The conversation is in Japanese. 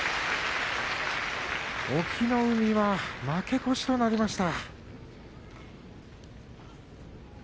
隠岐の海は負け越しとなりました。